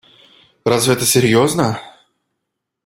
Разве это серьезно?